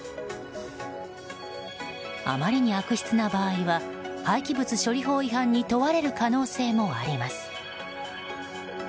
あまりに悪質な場合は廃棄物処理法違反に問われる可能性もあります。